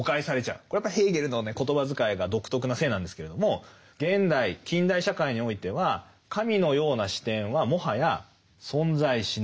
これやっぱヘーゲルの言葉遣いが独特なせいなんですけれども現代・近代社会においては神のような視点はもはや存在しない。